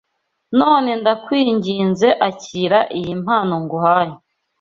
None ndakwinginze akira iyi mpano nguhaye